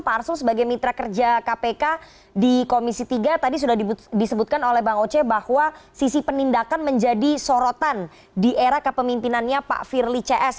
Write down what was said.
pak arsul sebagai mitra kerja kpk di komisi tiga tadi sudah disebutkan oleh bang oce bahwa sisi penindakan menjadi sorotan di era kepemimpinannya pak firly cs